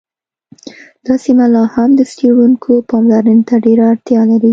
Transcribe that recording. دا سیمه لا هم د څیړونکو پاملرنې ته ډېره اړتیا لري